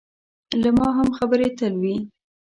له ما هم خبرې تل وي.